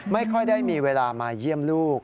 ไม่ค่อยได้มีเวลามาเยี่ยมลูก